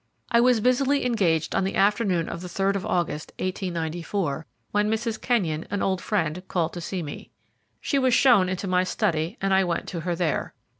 I was busily engaged on the afternoon of the 3rd of August, 1894, when Mrs. Kenyon, an old friend, called to see me. She was shown into my study, and I went to her there.